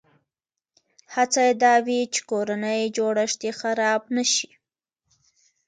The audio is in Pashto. هڅه یې دا وي چې کورنی جوړښت یې خراب نه شي.